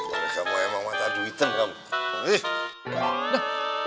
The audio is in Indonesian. aduh kamu emang mata duiteng kamu